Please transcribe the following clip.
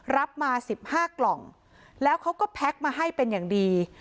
รับมา๑๕กล่องแล้วเขาก็แพ็คมาให้เป็นอย่างดี